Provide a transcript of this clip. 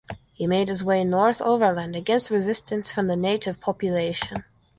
He made his way north overland, against resistance from the native population.